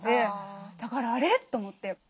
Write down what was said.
だからあれ？と思って。